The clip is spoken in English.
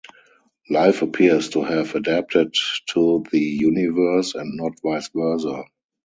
Life appears to have adapted to the universe, and not vice versa.